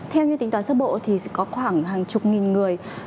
theo như tính đoán giác bộ thì có khoảng hàng chục nghìn người